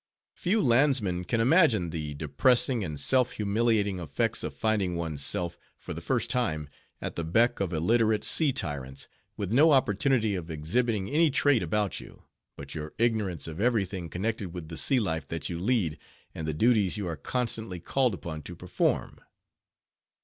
Few landsmen can imagine the depressing and self humiliating effects of finding one's self, for the first time, at the beck of illiterate sea tyrants, with no opportunity of exhibiting any trait about you, but your ignorance of every thing connected with the sea life that you lead, and the duties you are constantly called upon to perform.